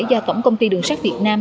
do tổng công ty đường sát việt nam